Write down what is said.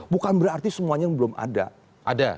bukan berarti semuanya belum ada